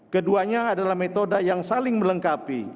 keduanya adalah metode yang saling melengkapi